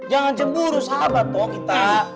jangan jemuru sahabat toh kita